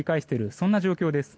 そんな状況です。